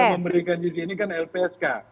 dalam memberikan gc ini kan lpsk